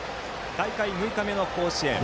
大会６日目の甲子園。